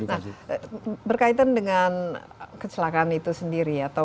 nah berkaitan dengan kecelakaan itu sendiri